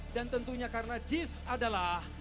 dan tentunya karena jis adalah